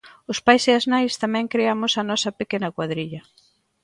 Os pais e as nais tamén creamos a nosa pequena cuadrilla.